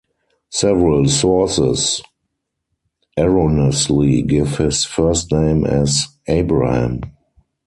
Several sources erroneously give his first name as "Abraham".